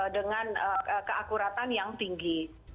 dengan keakuratan yang tinggi